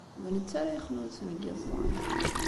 D netta ara yexnunsen deg yiẓẓan.